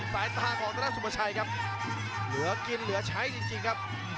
สายตาของธนสุประชัยครับเหลือกินเหลือใช้จริงครับ